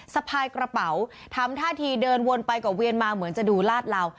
สะพายกระเป๋าทำท่าทีเดินวนไปกว่าเวียนมาเหมือนจะดูลาดเหลา